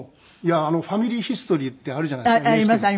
『ファミリーヒストリー』ってあるじゃないですかＮＨＫの。